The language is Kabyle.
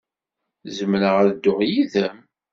Zemreɣ ad dduɣ yid-m?